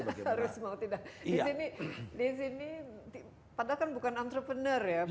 di sini padahal bukan entrepreneur ya